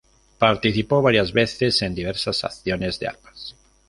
Participó varias veces en diversas acciones de armas.